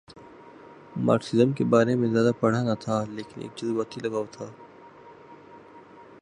Marxism کے بارے میں زیادہ پڑھا نہ تھا لیکن ایک جذباتی لگاؤ تھا۔